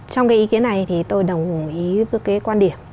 trong cái ý kiến này thì tôi đồng ý với cái quan điểm